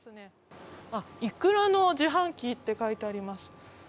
イクラの自販機って書いてあります。